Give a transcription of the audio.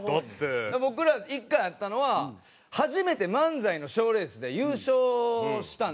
僕ら１回あったのは初めて漫才の賞レースで優勝したんですよ